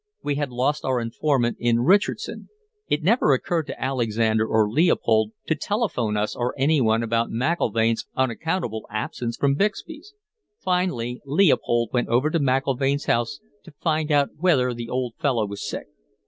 We had lost our informant in Richardson; it never occurred to Alexander or Leopold to telephone us or anyone about McIlvaine's unaccountable absence from Bixby's. Finally, Leopold went over to McIlvaine's house to find out whether the old fellow was sick.